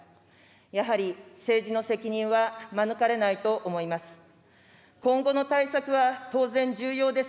やはり政治の責任は免れないと思います。